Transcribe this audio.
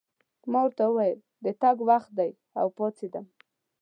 ما ورته وویل: د تګ وخت دی، او پاڅېدم.